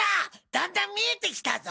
だんだん見えてきたぞ！